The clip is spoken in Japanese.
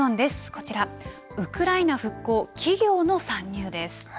こちら、ウクライナ復興、企業の参入です。